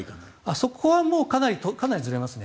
そこはかなりずれますね。